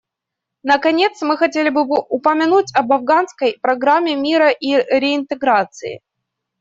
Наконец, мы хотели бы упомянуть об Афганской программе мира и реинтеграции.